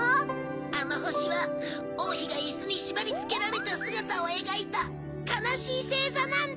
あの星は王妃がいすに縛りつけられた姿を描いた悲しい星座なんだ。